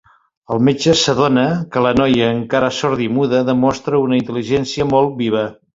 El metge s'adona que la noia, encara sorda i muda, demostra una intel·ligència molt viva.